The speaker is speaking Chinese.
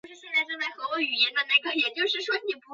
炎魔斑是冥王星暗黑色指节套环系列中最大的一节。